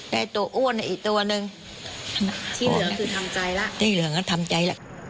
ได้ตัวอ้วนอีกตัวหนึ่งที่เหลือคือทำใจแล้วที่เหลือก็ทำใจแล้ว